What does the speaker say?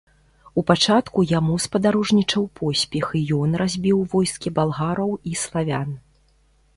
У пачатку яму спадарожнічаў поспех і ён разбіў войскі балгараў і славян.